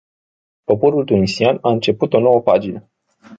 Poporul tunisian a început o nouă pagină.